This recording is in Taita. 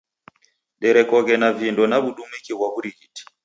Derekoghe na vindo na w'udumiki ghwa w'urighiti.